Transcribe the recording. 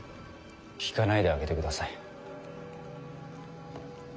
聞かないであげてください。